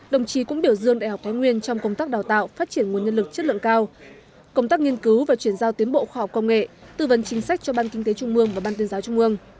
đồng chí cũng biểu dương đại học thái nguyên trong công tác đào tạo phát triển nguồn nhân lực chất lượng cao công tác nghiên cứu và chuyển giao tiến bộ khoa học công nghệ tư vấn chính sách cho ban kinh tế trung mương và ban tuyên giáo trung ương